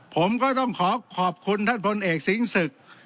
ผมก็ต้องขอขอบคุณท่านพลเอกสิงห์ศึก